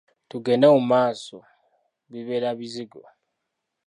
Tugende mu maaso bibeera bizigo.